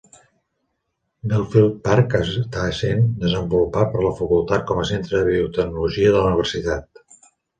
Belfield Park està essent desenvolupat per la facultat com a Centre de Biotecnologia de la Universitat.